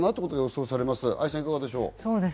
愛さん、いかがでしょう？